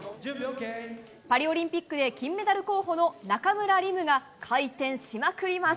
パリオリンピックで金メダル候補の中村輪夢が回転しまくります。